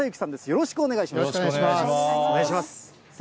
よろしくお願いします。